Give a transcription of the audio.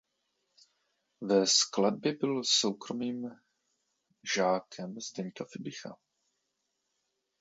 Ve skladbě byl soukromým žákem Zdeňka Fibicha.